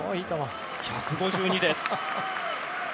１５２キロです。